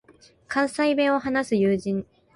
関西弁を話す友人